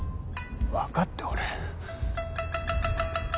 分かっておる。